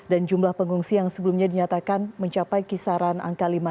dan jumlah pengungsi yang sebelumnya dinyatakan mencapai kisaran angka lima